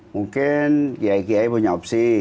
mungkin kiai kiai punya opsi